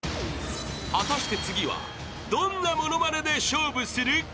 ［果たして次はどんな物まねで勝負する？］